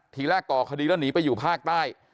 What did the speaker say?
ทีแรกก่อคดีแล้วหนีไปอยู่ภาคใต้